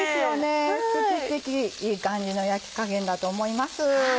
ステキステキいい感じの焼き加減だと思います。